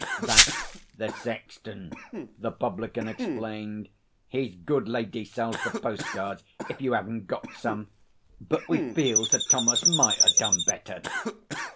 'That's the sexton,' the publican explained. 'His good lady sells the postcards if you 'aven't got some. But we feel Sir Thomas might ha' done better.'